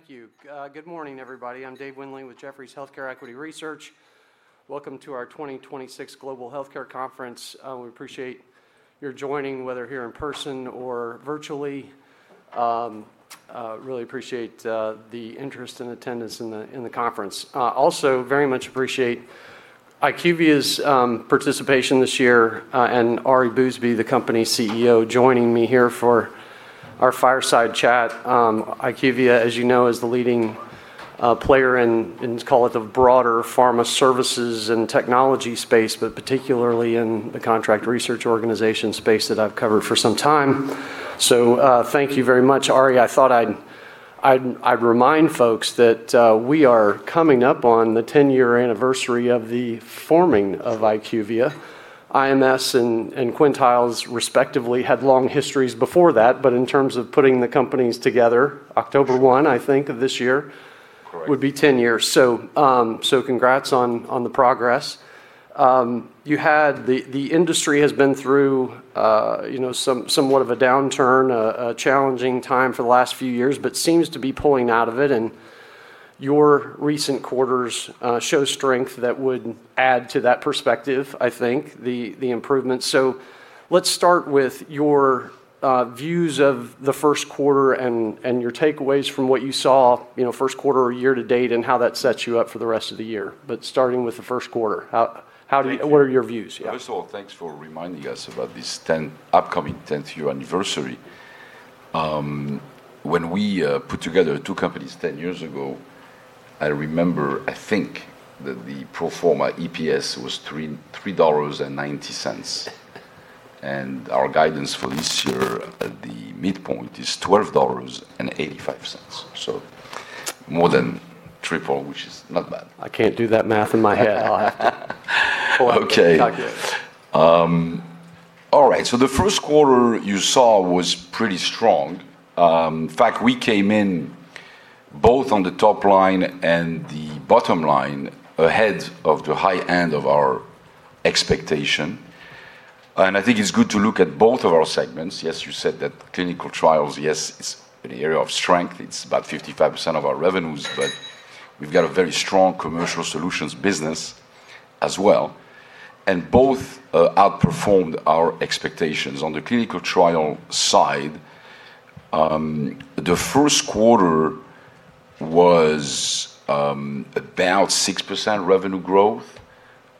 Thank you. Good morning, everybody. I'm David Windley with Jefferies Healthcare Equity Research. Welcome to our 2026 Global Healthcare Conference. We appreciate you joining, whether here in person or virtually. Really appreciate the interest and attendance in the conference. Also very much appreciate IQVIA's participation this year and Ari Bousbib, the company's CEO, joining me here for our fireside chat. IQVIA, as you know, is the leading player in, let's call it, the broader pharma services and technology space, but particularly in the contract research organization space that I've covered for some time. Thank you very much. Ari, I thought I'd remind folks that we are coming up on the 10-year anniversary of the forming of IQVIA. IMS and Quintiles respectively had long histories before that, but in terms of putting the companies together, October 1, I think, of this year. Correct Would be 10 years. Congrats on the progress. The industry has been through somewhat of a downturn, a challenging time for the last few years. Seems to be pulling out of it, and your recent quarters show strength that would add to that perspective, I think, the improvements. Let's start with your views of the Q1 and your takeaways from what you saw Q1 or year to date and how that sets you up for the rest of the year. Starting with the Q1, what are your views? Yeah. First of all, thanks for reminding us about this upcoming 10th-year anniversary. When we put together two companies 10 years ago, I remember, I think, that the pro forma EPS was $3.90. Our guidance for this year at the midpoint is $12.85. More than triple, which is not bad. I can't do that math in my head, Ari. Okay. Not good. The Q1 you saw was pretty strong. In fact, we came in both on the top line and the bottom line ahead of the high end of our expectation. I think it's good to look at both of our segments. Yes, you said that clinical trials, yes, it's an area of strength. It's about 55% of our revenues. We've got a very strong commercial solutions business as well. Both outperformed our expectations. On the clinical trial side, the Q1 was about 6% revenue growth.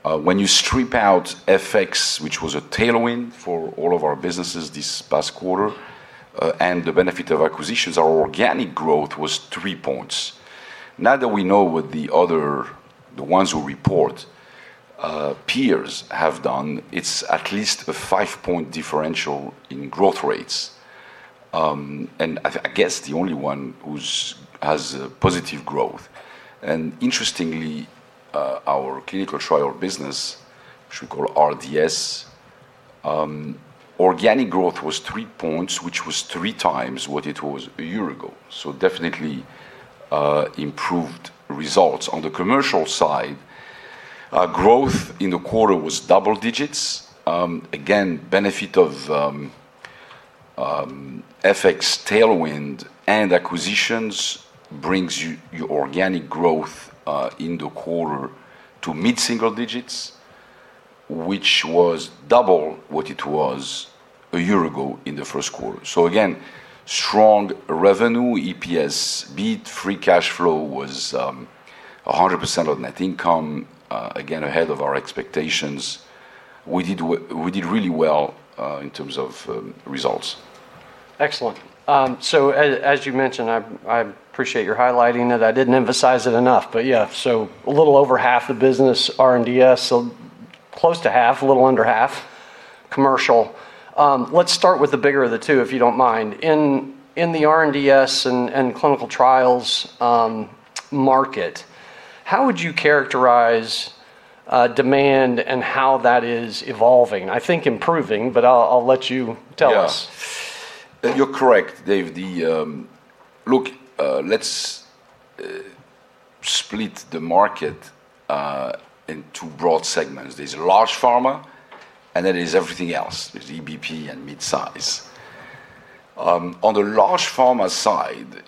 When you strip out FX, which was a tailwind for all of our businesses this past quarter, and the benefit of acquisitions, our organic growth was three points. Now that we know what the ones who've reported, peers have done, it's at least a five-point differential in growth rates. I guess the only one who has a positive growth. Interestingly, our clinical trial business, which we call R&DS, organic growth was three points, which was 3x what it was a year ago. Definitely improved results. On the commercial side, growth in the quarter was double digits. Benefit of FX tailwind and acquisitions brings your organic growth in the quarter to mid-single digits, which was double what it was a year ago in the Q1. Again, strong revenue, EPS beat, free cash flow was 100% of net income. Again, ahead of our expectations. We did really well in terms of results. Excellent. As you mentioned, I appreciate your highlighting it. I didn't emphasize it enough, but yeah. A little over half the business R&DS, so close to half, a little under half commercial. Let's start with the bigger of the two, if you don't mind. In the R&DS and clinical trials market, how would you characterize demand and how that is evolving? I think improving, but I'll let you tell us. You're correct, David. Look, let's split the market into broad segments. There's large pharma and then there's everything else. There's EBP and mid-size. On the large pharma side,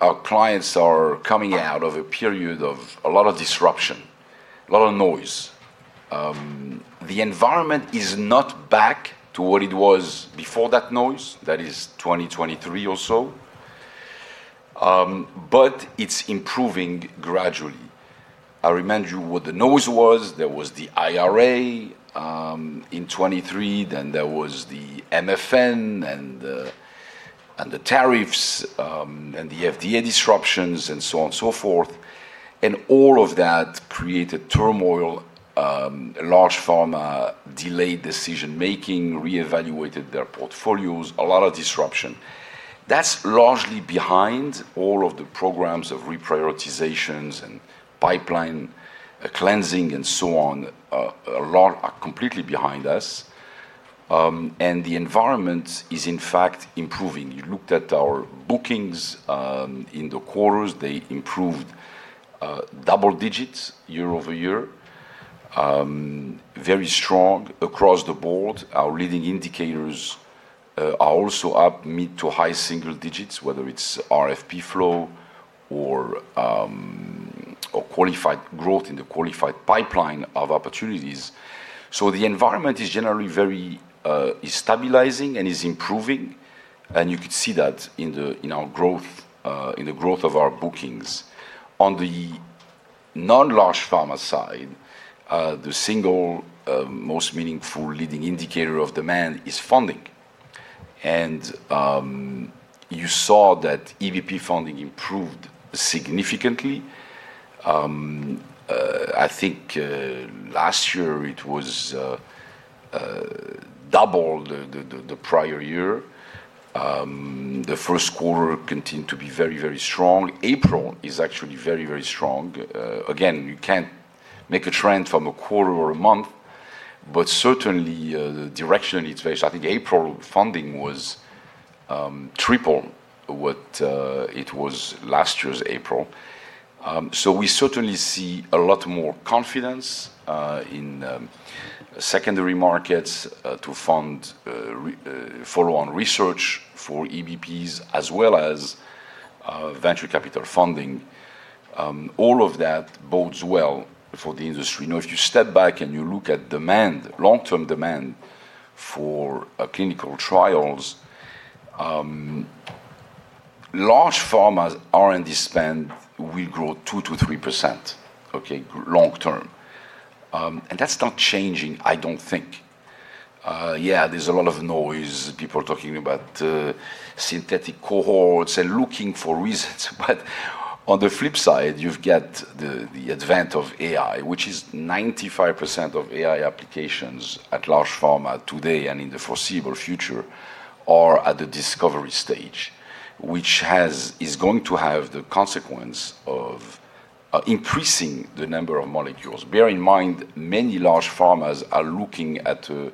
our clients are coming out of a period of a lot of disruption, a lot of noise. The environment is not back to what it was before that noise. That is 2023 or so. It's improving gradually. I remind you what the noise was. There was the IRA in 2023, then there was the MFN and the tariffs, and the FDA disruptions, and so on and so forth. All of that created turmoil. Large pharma delayed decision-making, reevaluated their portfolios, a lot of disruption. That's largely behind all of the programs of reprioritizations and pipeline cleansing and so on. A lot are completely behind us. The environment is, in fact, improving. You looked at our bookings in the quarters. They improved double digits year-over-year. Very strong across the board. Our leading indicators are also up mid to high single digits, whether it's RFP flow or qualified growth in the qualified pipeline of opportunities. The environment is generally very stabilizing and is improving. You could see that in the growth of our bookings. On the non-large pharma side, the single most meaningful leading indicator of demand is funding. You saw that EBP funding improved significantly. I think last year it was double the prior year. The Q1 continued to be very strong. April is actually very strong. Again, you can't make a trend from a quarter or a month, but certainly the direction it's headed, I think April funding was triple what it was last year's April. We certainly see a lot more confidence in secondary markets to fund follow-on research for EBPs as well as venture capital funding. All of that bodes well for the industry. Now, if you step back and you look at demand, long-term demand for clinical trials, large pharma's R&D spend will grow 2%-3%, okay, long term. That's not changing, I don't think. Yeah, there's a lot of noise, people talking about synthetic cohorts and looking for reasons. On the flip side, you've got the advent of AI, which is 95% of AI applications at large pharma today and in the foreseeable future are at the discovery stage. Which is going to have the consequence of increasing the number of molecules. Bear in mind, many large pharmas are looking at a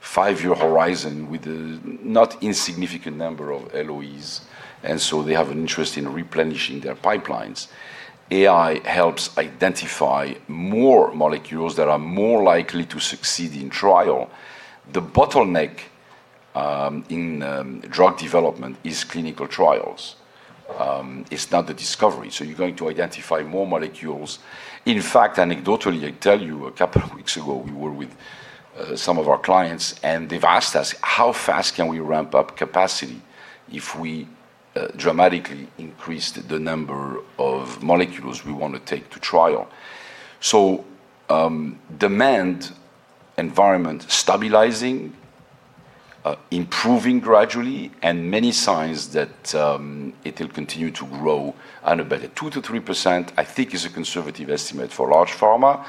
five-year horizon with a not insignificant number of LOEs, and so they have an interest in replenishing their pipelines. AI helps identify more molecules that are more likely to succeed in trial. The bottleneck in drug development is clinical trials. It's not the discovery. You're going to identify more molecules. In fact, anecdotally, I tell you, a couple of weeks ago, we were with some of our clients and they've asked us, "How fast can we ramp up capacity if we dramatically increased the number of molecules we want to take to trial?" Demand environment stabilizing, improving gradually, and many signs that it will continue to grow at about a 2%-3%, I think is a conservative estimate for large pharma.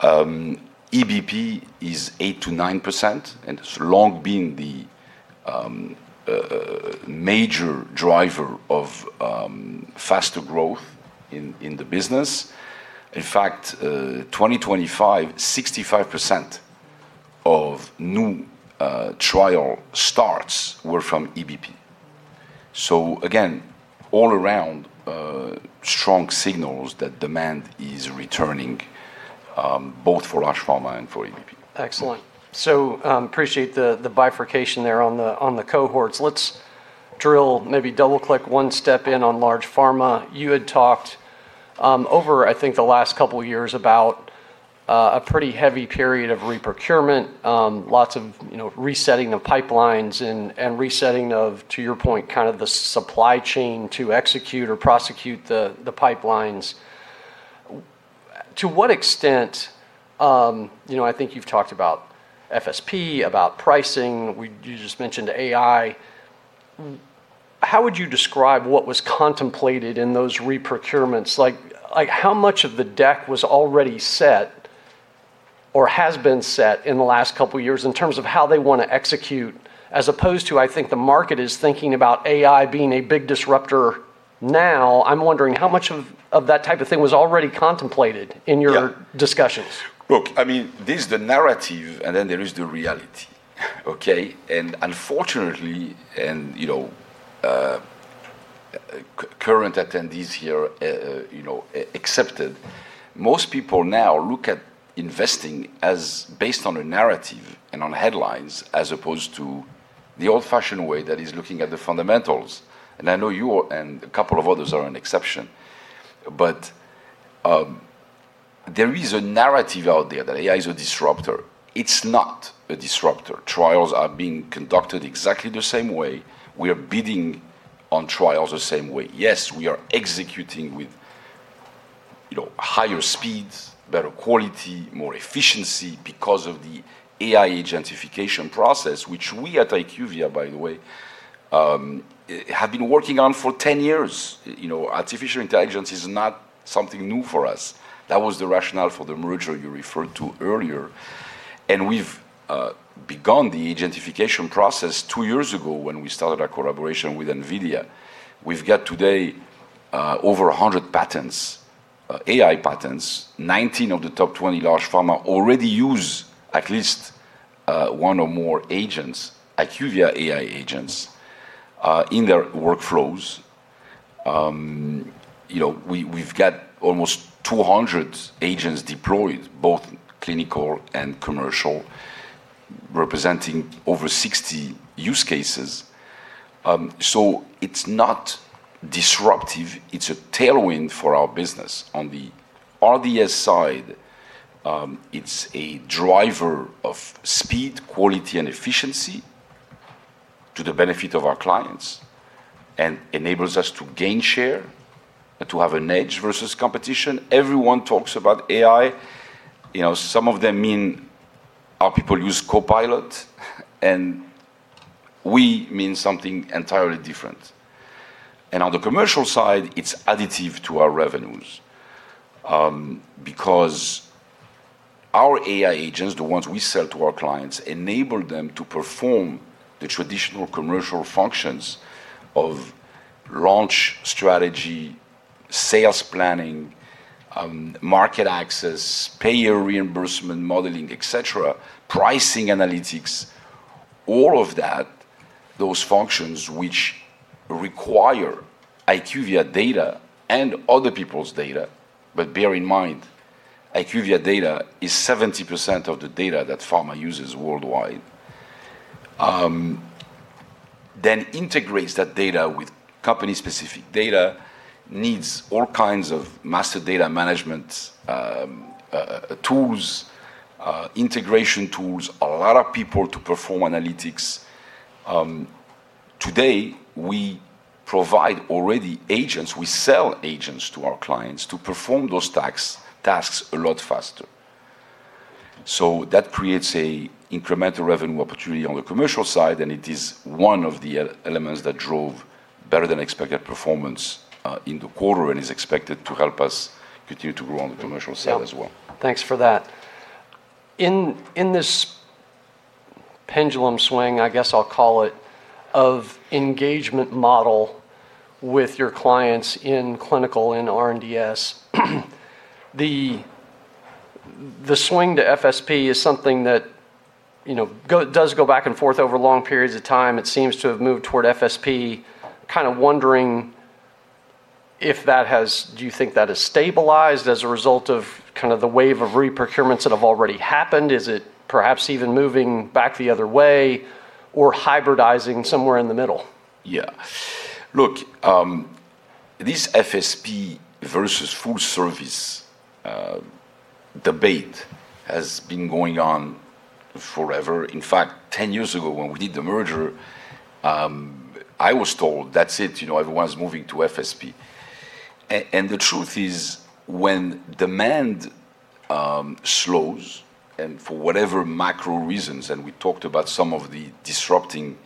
EBP is 8%-9% and has long been the major driver of faster growth in the business. In fact, 2025, 65% of new trial starts were from EBP. Again, all around strong signals that demand is returning both for large pharma and for EBP. Excellent. Appreciate the bifurcation there on the cohorts. Let's drill, maybe double-click one step in on large pharma. You had talked over I think the last couple of years about a pretty heavy period of reprocurement, lots of resetting of pipelines and resetting of, to your point, kind of the supply chain to execute or prosecute the pipelines. To what extent, I think you've talked about FSP, about pricing. You just mentioned AI. How would you describe what was contemplated in those reprocurements? How much of the deck was already set or has been set in the last couple of years in terms of how they want to execute as opposed to, I think the market is thinking about AI being a big disruptor now. I'm wondering how much of that type of thing was already contemplated in your discussions. Look, there's the narrative and then there is the reality. Okay. Unfortunately, and current attendees here excepted, most people now look at investing as based on a narrative and on headlines as opposed to the old-fashioned way that is looking at the fundamentals. I know you and a couple of others are an exception. There is a narrative out there that AI is a disruptor. It's not a disruptor. Trials are being conducted exactly the same way. We are bidding on trials the same way. Yes, we are executing with higher speeds, better quality, more efficiency because of the AI agentification process, which we at IQVIA, by the way, have been working on for 10 years. Artificial intelligence is not something new for us. That was the rationale for the merger you referred to earlier. We've begun the agentification process two years ago when we started our collaboration with NVIDIA. We've got today over 100 patents, AI patents. 19 of the top 20 large pharma already use at least one or more agents, IQVIA AI agents, in their workflows. We've got almost 200 agents deployed, both clinical and commercial, representing over 60 use cases. It's not disruptive. It's a tailwind for our business. On the R&DS side, it's a driver of speed, quality, and efficiency to the benefit of our clients and enables us to gain share and to have an edge versus competition. Everyone talks about AI. Some of them mean our people use Copilot, and we mean something entirely different. On the commercial side, it's additive to our revenues. Our AI agents, the ones we sell to our clients, enable them to perform the traditional commercial functions of launch strategy, sales planning, market access, payer reimbursement modeling, et cetera, pricing analytics, all of that, those functions which require IQVIA data and other people's data. Bear in mind, IQVIA data is 70% of the data that pharma uses worldwide. Integrates that data with company-specific data, needs all kinds of master data management tools, integration tools, a lot of people to perform analytics. Today, we provide already agents. We sell agents to our clients to perform those tasks a lot faster. That creates a incremental revenue opportunity on the commercial side, and it is one of the elements that drove better than expected performance in the quarter and is expected to help us continue to grow on the commercial side as well. Yeah. Thanks for that. In this pendulum swing, I guess I'll call it, of engagement model with your clients in clinical and R&DS, the swing to FSP is something that does go back and forth over long periods of time. It seems to have moved toward FSP. Kind of wondering do you think that has stabilized as a result of kind of the wave of re-procurements that have already happened? Is it perhaps even moving back the other way or hybridizing somewhere in the middle? Yeah. Look, this FSP versus full service debate has been going on forever. In fact, 10 years ago when we did the merger, I was told that's it, everyone's moving to FSP. The truth is, when demand slows, and for whatever macro reasons, and we talked about some of the disrupting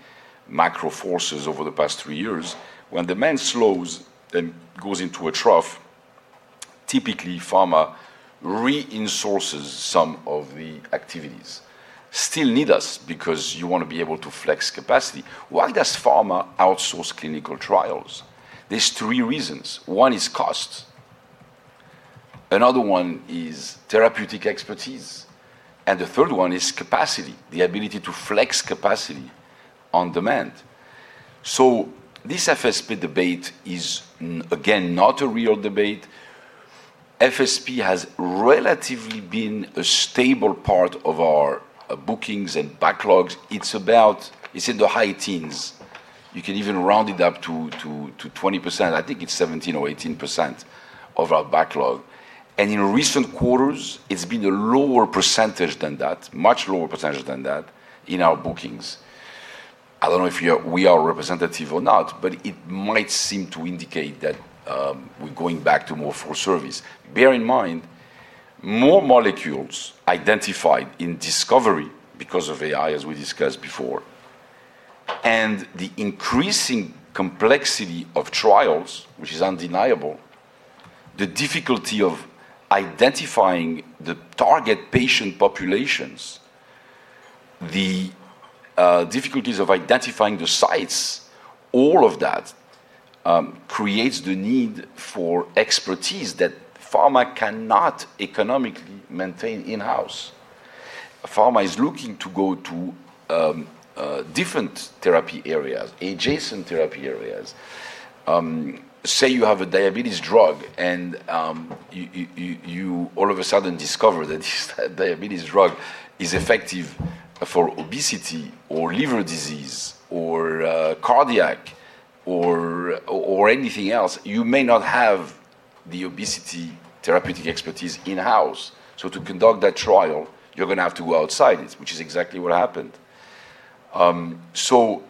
macro forces over the past three years. When demand slows then goes into a trough, typically pharma re-insources some of the activities. They still need us because you want to be able to flex capacity. Why does pharma outsource clinical trials? There's three reasons. One is cost. Another one is therapeutic expertise. The third one is capacity, the ability to flex capacity on demand. This FSP debate is, again, not a real debate. FSP has relatively been a stable part of our bookings and backlogs. It's in the high teens. You can even round it up to 20%. I think it's 17% or 18% of our backlog. In recent quarters, it's been a lower percentage than that, much lower percentage than that in our bookings. I don't know if we are representative or not, but it might seem to indicate that we're going back to more full service. Bear in mind, more molecules identified in discovery because of AI, as we discussed before, and the increasing complexity of trials, which is undeniable, the difficulty of identifying the target patient populations, the difficulties of identifying the sites, all of that creates the need for expertise that pharma cannot economically maintain in-house. Pharma is looking to go to different therapy areas, adjacent therapy areas. Say you have a diabetes drug and you all of a sudden discover that this diabetes drug is effective for obesity or liver disease or cardiac or anything else. You may not have the obesity therapeutic expertise in-house. To conduct that trial, you're going to have to go outside, which is exactly what happened. The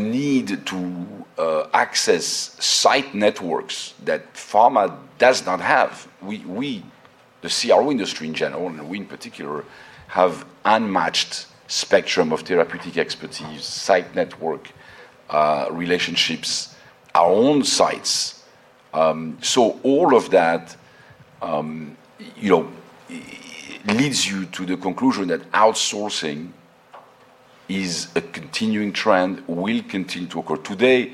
need to access site networks that pharma does not have. We, the CRO industry in general, and we in particular, have unmatched spectrum of therapeutic expertise, site network relationships, our own sites. All of that leads you to the conclusion that outsourcing is a continuing trend, will continue to occur. Today,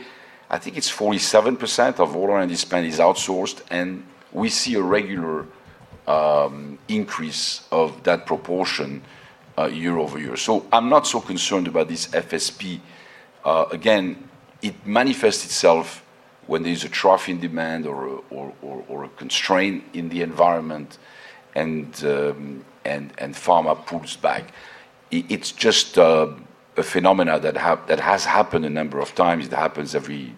I think it's 47% of all R&D spend is outsourced, and we see a regular increase of that proportion year-over-year. I'm not so concerned about this FSP. It manifests itself when there's a trough in demand or a constraint in the environment, and pharma pulls back. It's just a phenomena that has happened a number of times. It happens every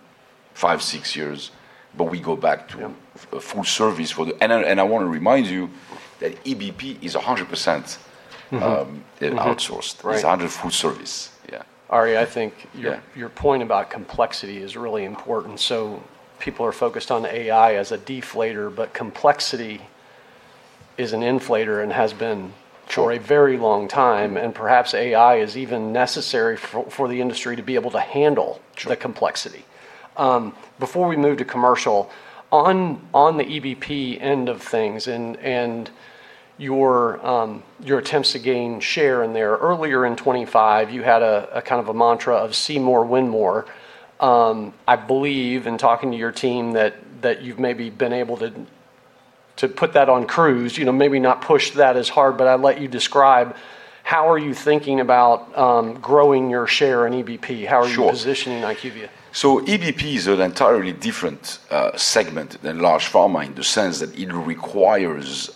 five, six years, we go back to full service for the I want to remind you that EBP is 100% outsourced. It's 100% full service. Ari, your point about complexity is really important. People are focused on AI as a deflator, but complexity is an inflator and has been for a very long time, and perhaps AI is even necessary for the industry to be able to handle the complexity. Before we move to commercial, on the EBP end of things and your attempts to gain share in there, earlier in 2025 you had a kind of a mantra of see more, win more. I believe in talking to your team that you've maybe been able to put that on cruise, maybe not push that as hard, I'll let you describe how are you thinking about growing your share in EBP? Sure. How are you positioning IQVIA? EBP is an entirely different segment than large pharma in the sense that it requires,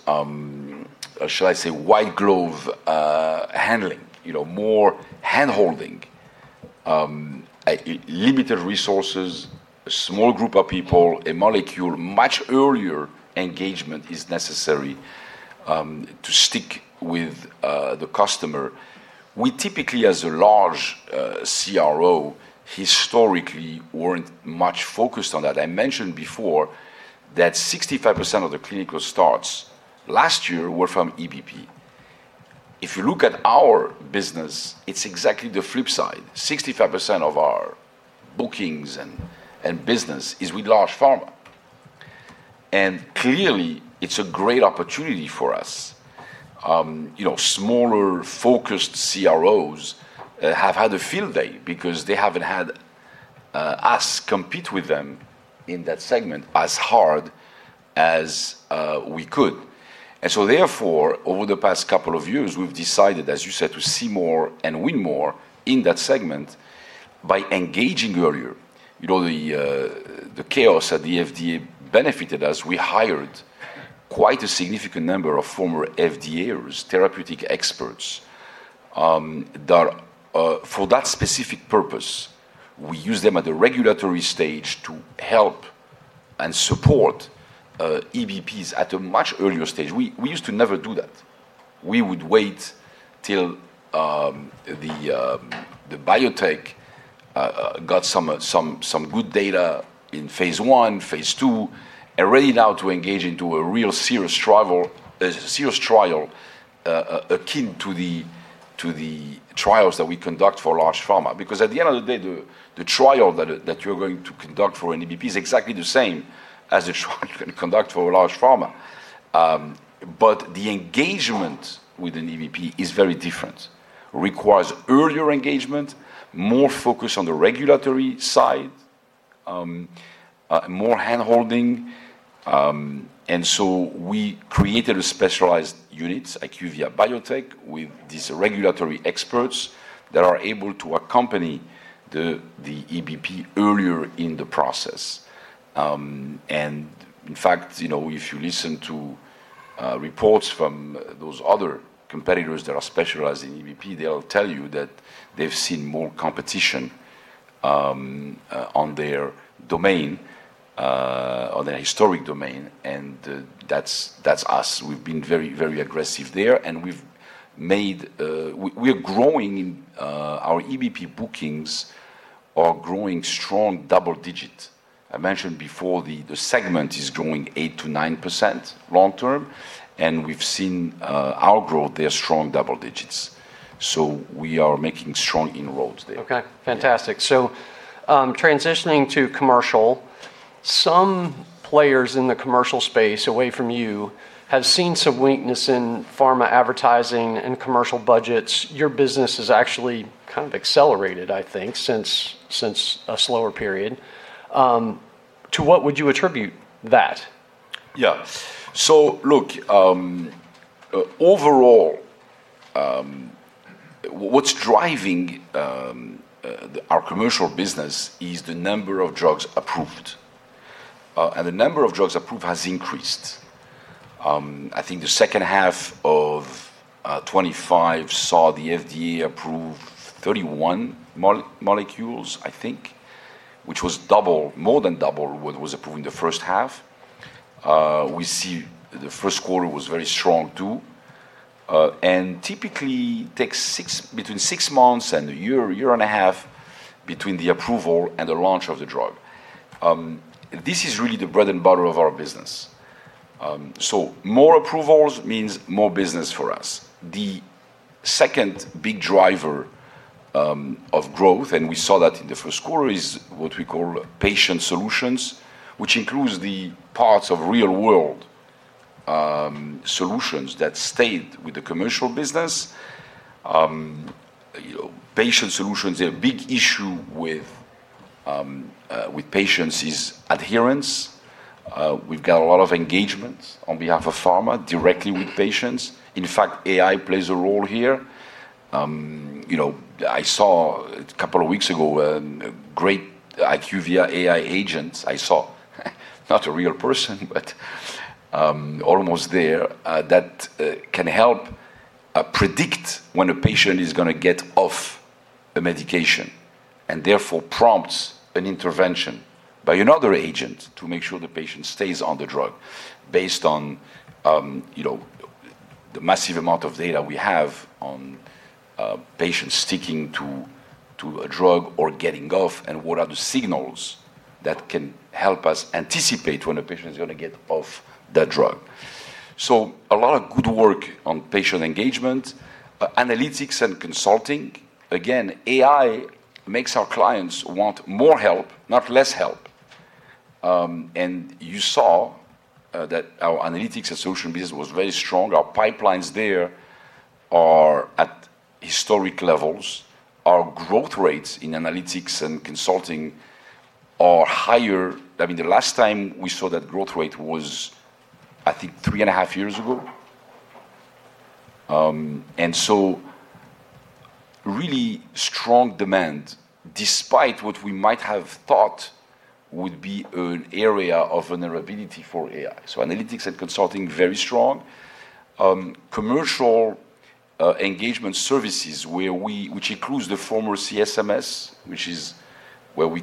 shall I say, white glove handling. More handholding. Limited resources, a small group of people, a molecule. Much earlier engagement is necessary to stick with the customer. We typically, as a large CRO, historically weren't much focused on that. I mentioned before that 65% of the clinical starts last year were from EBP. If you look at our business, it's exactly the flip side. 65% of our bookings and business is with large pharma. Clearly, it's a great opportunity for us. Smaller focused CROs have had a field day because they haven't had us compete with them in that segment as hard as we could. Therefore, over the past couple of years, we've decided, as you said, to see more and win more in that segment by engaging earlier. The chaos at the FDA benefited us. We hired quite a significant number of former FDA therapeutic experts for that specific purpose. We use them at the regulatory stage to help and support EBPs at a much earlier stage. We used to never do that. We would wait till the biotech got some good data in phase I, phase II, and ready now to engage into a real serious trial akin to the trials that we conduct for large pharma. At the end of the day, the trial that you're going to conduct for an EBP is exactly the same as the trial you're going to conduct for a large pharma. The engagement with an EBP is very different. It requires earlier engagement, more focus on the regulatory side, more handholding. We created a specialized unit, IQVIA Biotech, with these regulatory experts that are able to accompany the EBP earlier in the process. In fact, if you listen to reports from those other competitors that are specialized in EBP, they'll tell you that they've seen more competition on their domain, on their historic domain, and that's us. We've been very, very aggressive there, and we're growing. Our EBP bookings are growing strong double digits. I mentioned before the segment is growing 8%-9% long term, and we've seen our growth there strong double digits. We are making strong inroads there. Okay. Fantastic. Transitioning to commercial. Some players in the commercial space away from you have seen some weakness in pharma advertising and commercial budgets. Your business has actually kind of accelerated, I think, since a slower period. To what would you attribute that? Yeah. Look, overall, what's driving our commercial business is the number of drugs approved. The number of drugs approved has increased. I think the second half of 2025 saw the FDA approve 31 molecules, I think, which was more than double what was approved in the first half. We see the Q1 was very strong, too. Typically takes between six months and a year and a half between the approval and the launch of the drug. This is really the bread and butter of our business. More approvals means more business for us. The second big driver of growth, and we saw that in the Q1, is what we call Patient Solutions, which includes the parts of Real World Solutions that stayed with the commercial business. Patient Solutions, a big issue with patients is adherence. We've got a lot of engagements on behalf of pharma directly with patients. AI plays a role here. I saw a couple of weeks ago a great IQVIA AI agent. I saw not a real person, almost there. That can help predict when a patient is going to get off a medication, therefore prompts an intervention by another agent to make sure the patient stays on the drug based on the massive amount of data we have on patients sticking to a drug or getting off, what are the signals that can help us anticipate when a patient is going to get off that drug. A lot of good work on patient engagement. Analytics and consulting, again, AI makes our clients want more help, not less help. You saw that our analytics and solution business was very strong. Our pipelines there are at historic levels. Our growth rates in analytics and consulting are higher. The last time we saw that growth rate was, I think, three and a half years ago. Really strong demand despite what we might have thought would be an area of vulnerability for AI. Analytics and consulting, very strong. Commercial engagement services which includes the former CSMS, which is where we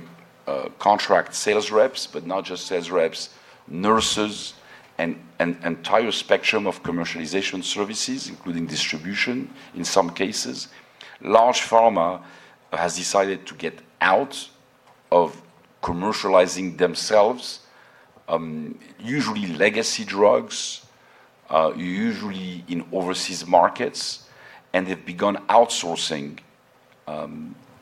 contract sales reps, but not just sales reps, nurses, and entire spectrum of commercialization services, including distribution in some cases. Large pharma has decided to get out of commercializing themselves, usually legacy drugs, usually in overseas markets, and have begun outsourcing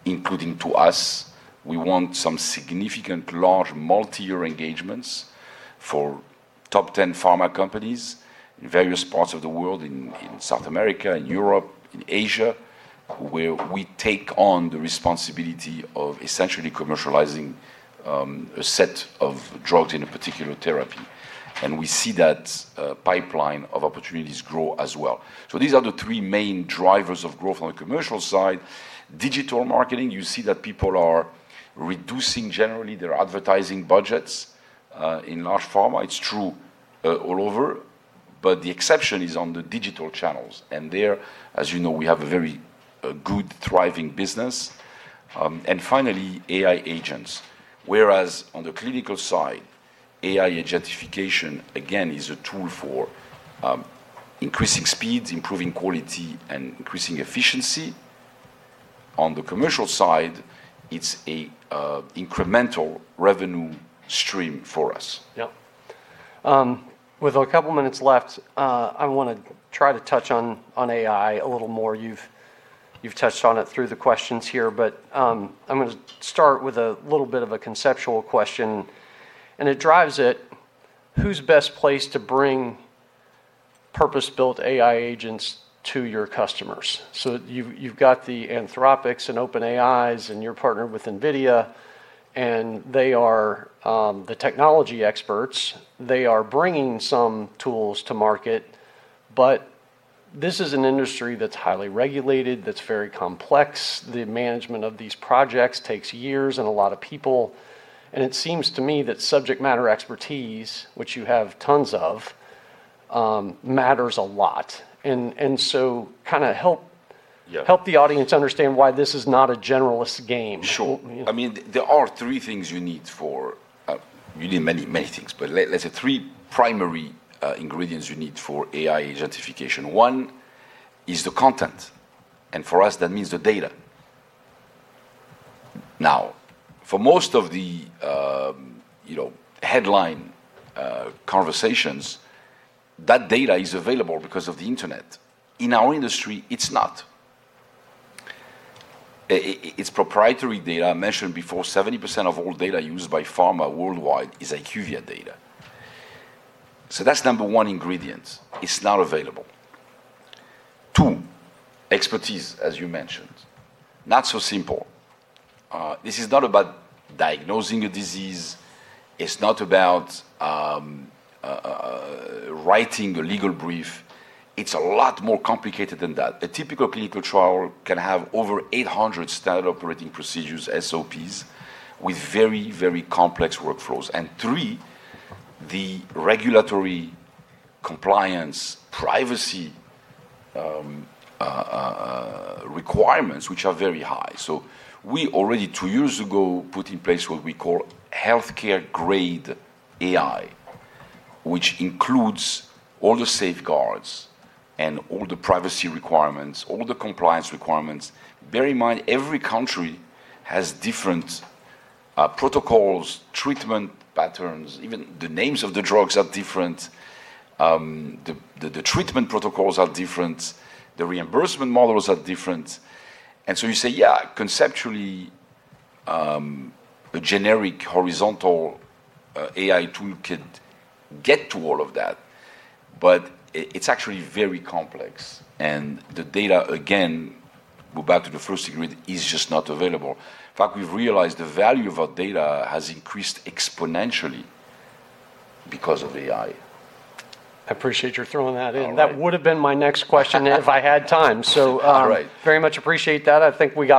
including to us. We want some significant large multi-year engagements for top 10 pharma companies in various parts of the world, in South America, in Europe, in Asia, where we take on the responsibility of essentially commercializing a set of drugs in a particular therapy. We see that pipeline of opportunities grow as well. These are the three main drivers of growth on the commercial side. Digital marketing, you see that people are reducing generally their advertising budgets. In large pharma, it's true all over. The exception is on the digital channels. There, as you know, we have a very good thriving business. Finally, AI agents. Whereas on the clinical side, AI agentification again is a tool for increasing speed, improving quality, and increasing efficiency. On the commercial side, it's a incremental revenue stream for us. With a couple minutes left, I want to try to touch on AI a little more. You've touched on it through the questions here, but I'm going to start with a little bit of a conceptual question, and it drives it. Who's best placed to bring purpose-built AI agents to your customers? You've got the Anthropic and OpenAI, and you're partnered with NVIDIA, and they are the technology experts. They are bringing some tools to market, but this is an industry that's highly regulated, that's very complex. The management of these projects takes years and a lot of people. It seems to me that subject matter expertise, which you have tons of, matters a lot. Kind of help the audience understand why this is not a generalist game. Sure. There are three things you need. You need many, many things, but let's say three primary ingredients you need for AI agentification. One is the content, for us, that means the data. For most of the headline conversations, that data is available because of the internet. In our industry, it's not. It's proprietary data. I mentioned before, 70% of all data used by pharma worldwide is IQVIA data. That's number one ingredient. It's now available. Two, expertise, as you mentioned. Not so simple. This is not about diagnosing a disease. It's not about writing a legal brief. It's a lot more complicated than that. A typical clinical trial can have over 800 Standard Operating Procedures, SOPs, with very complex workflows. Three, the regulatory compliance privacy requirements, which are very high. We already, two years ago, put in place what we call Healthcare-grade AI, which includes all the safeguards and all the privacy requirements, all the compliance requirements. Bear in mind, every country has different protocols, treatment patterns. Even the names of the drugs are different. The treatment protocols are different. The reimbursement models are different. You say, yeah, conceptually, a generic horizontal AI tool could get to all of that. It's actually very complex. The data, again, go back to the first ingredient, is just not available. In fact, we've realized the value of our data has increased exponentially because of AI. I appreciate you throwing that in. That would've been my next question, if I had time. Right Very much appreciate that.